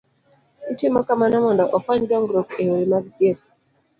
Itimo kamano mondo okony dongruok e yore mag thieth